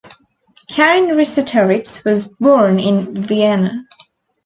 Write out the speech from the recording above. Karin Resetarits was born in Vienna.